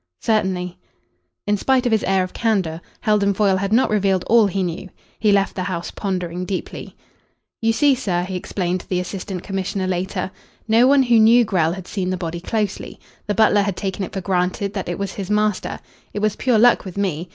"Certainly." In spite of his air of candour, Heldon Foyle had not revealed all he knew. He left the house pondering deeply. "You see, sir," he explained to the Assistant Commissioner later, "no one who knew Grell had seen the body closely. The butler had taken it for granted that it was his master. It was pure luck with me.